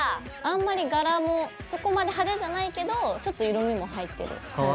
あんまりがらもそこまで派手じゃないけどちょっと色みも入ってる感じの。